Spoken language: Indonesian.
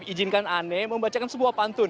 izinkan ane membacakan sebuah pantun